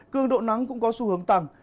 cương độ nắng cũng có xu hướng tăng